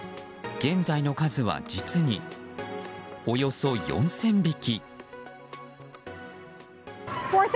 現在の数は実におよそ４０００匹。